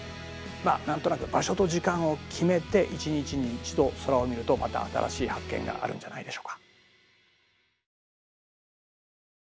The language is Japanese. まあ何となく場所と時間を決めて一日に一度空を見るとまた新しい発見があるんじゃないでしょうか。